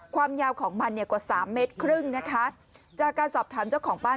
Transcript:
ความยาวของมันเนี่ยกว่าสามเมตรครึ่งนะคะจากการสอบถามเจ้าของบ้าน